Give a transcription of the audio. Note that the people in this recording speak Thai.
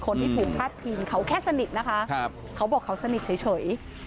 คนที่ถูกพาดพิงเขาแค่สนิทนะคะเขาบอกเขาสนิทเฉย